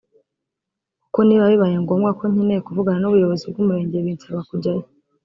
kuko niba bibayengombwa ko nkeneye kuvugana n’ubuyobozi bw’Umurenge binsaba kujyayo